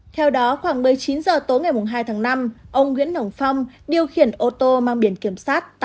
theo đó khoảng một mươi chín h tối ngày hai tháng năm ông nguyễn hồng phong điều khiển ô tô mang biển kiểm sát tám mươi một a tám mươi hai nghìn ba trăm tám mươi ba